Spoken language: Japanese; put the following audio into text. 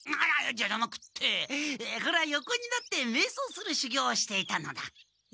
じゃなくてこれは横になってめいそうするしゅぎょうをしていたのだ。